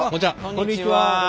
こんにちは。